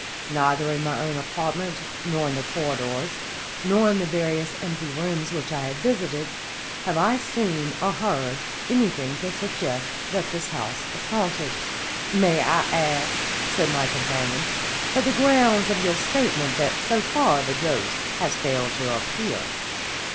Neither in my own apartment, nor in the corridors, nor in the various empty rooms which I have visited, have I seen or heard anything to suggest that the house is haunted." "May I ask," said my companion, "for the grounds of your statement that so far the ghost has failed to appear?"